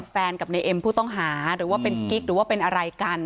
กับในเอ็มผู้ต้องหาหรือว่าเป็นกิ๊กหรือว่าเป็นอะไรกัน